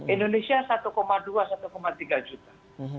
indonesia satu dua satu tiga juta